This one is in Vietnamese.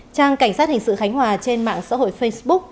trang cảnh sát hình sự khánh hòa trên mạng xã hội facebook